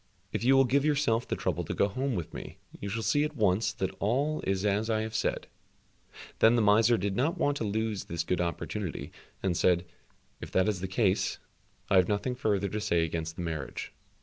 "If you will give yourself the trouble to go home with me, you shall see at once that all is as I have said." Then the miser did not want to lose this good opportunity, and said, "If that is the case, I have nothing further to say against the marriage."